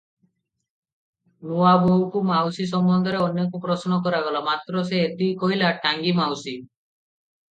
ନୂଆବୋହୂକୁ ମାଉସୀ ସମ୍ବନ୍ଧରେ ଅନେକ ପ୍ରଶ୍ନ କରାଗଲା, ମାତ୍ର ସେ ଏତିକି କହିଲା - "ଟାଙ୍ଗୀ ମାଉସୀ ।"